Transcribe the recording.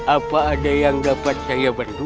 apa ada yang dapat saya bantu